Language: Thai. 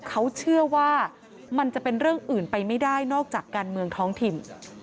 เขาเชื่อว่ามันจะเป็นเรื่องอื่นไปไม่ได้นอกจากการเมืองท้องถิ่น